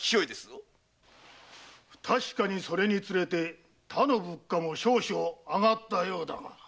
確かにそれにつれて他の物価も少々上がったようだが。